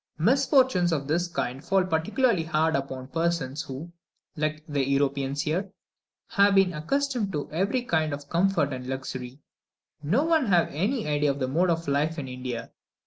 Misfortunes of this kind fall particularly hard upon persons who, like the Europeans here, have been accustomed to every kind of comfort and luxury. No one can have any idea of the mode of life in India.